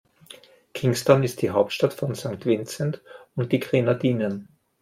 Kingstown ist die Hauptstadt von St. Vincent und die Grenadinen.